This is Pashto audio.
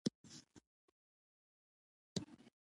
دعا وشوه ډېر یې لاسونه پورته کړل.